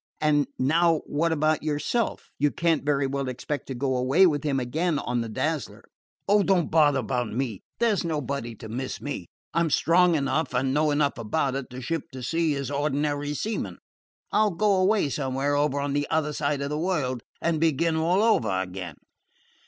And now, what about yourself? You can't very well expect to go away with him again on the Dazzler!" "Oh, don't bother about me. There 's nobody to miss me. I 'm strong enough, and know enough about it, to ship to sea as ordinary seaman. I 'll go away somewhere over on the other side of the world, and begin all over again."